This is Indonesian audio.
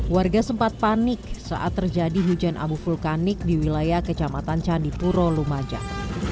warga sempat panik saat terjadi hujan abu vulkanik di wilayah kecamatan candipuro lumajang